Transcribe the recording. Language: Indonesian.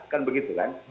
kan begitu kan